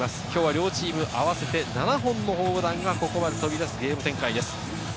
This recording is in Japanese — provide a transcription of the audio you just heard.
両チーム合わせて７本のホームランがここまで飛び出すゲーム展開です。